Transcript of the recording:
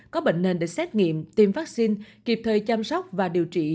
có bệnh nền để xét nghiệm tiêm vaccine kịp thời chăm sóc và điều trị